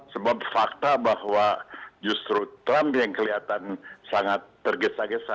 sebab fakta bahwa justru trump yang kelihatan sangat tergesa gesa